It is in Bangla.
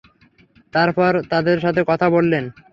তারপর তাদের সাথে কথা বললেন।